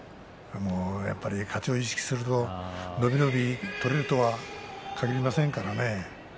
やっぱり勝ちを意識すると伸び伸び取れるとはかぎりませんからね。